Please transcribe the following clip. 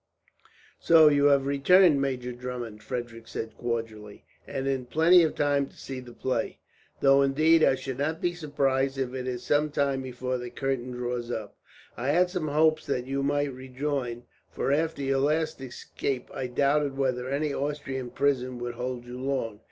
"So you have returned, Major Drummond," Frederick said cordially, "and in plenty of time to see the play! Though indeed, I should not be surprised if it is some time before the curtain draws up. I had some hopes that you might rejoin, for after your last escape I doubted whether any Austrian prison would hold you long.